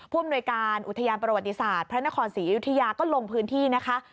อำนวยการอุทยานประวัติศาสตร์พระนครศรีอยุธยาก็ลงพื้นที่นะคะ